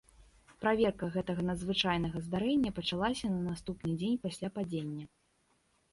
Праверка гэтага надзвычайнага здарэння пачалася на наступны дзень пасля падзення.